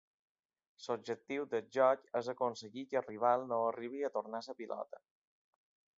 L'objectiu del joc és aconseguir que el rival no arribi a tornar la pilota.